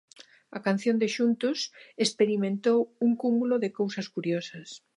A canción de Xuntos experimentou un cúmulo de cousas curiosas.